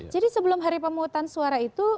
jadi sebelum hari pemutan suara itu